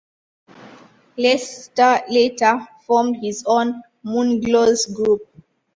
Lester later formed his own Moonglows group.